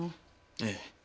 ええ。